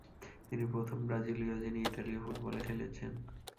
তিনি প্রথম ব্রাজিলীয়, যিনি ইতালীয় ফুটবলে খেলেছেন।